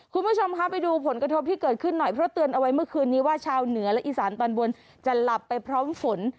คุณผู้ชมคะไปดูผลกระทบที่เกิดขึ้นหน่อยเพราะเตือนเอาไว้เมื่อคืนนี้ว่าชาวเหนือและอีสานตอนบนจะหลับไปพร้อมฝน